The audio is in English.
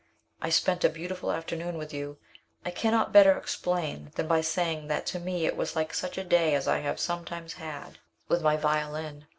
I spent a beautiful afternoon with you. I cannot better explain than by saying that to me it was like such a day as I have sometimes had with my violin.